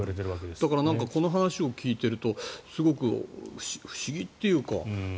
だからこの話を聞いているとすごく不思議というか。